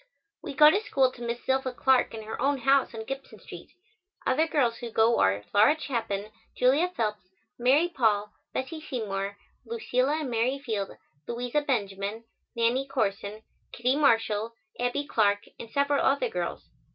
We go to school to Miss Zilpha Clark in her own house on Gibson Street. Other girls who go are Laura Chapin, Julia Phelps, Mary Paul, Bessie Seymour, Lucilla and Mary Field, Louisa Benjamin, Nannie Corson, Kittie Marshall, Abbie Clark and several other girls.